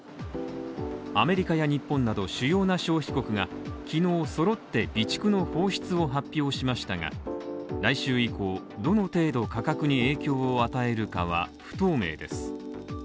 アメリカや日本など主要な消費国が昨日揃って備蓄の放出を発表しましたが、来週以降、どの程度価格に影響を与えるかは不透明です。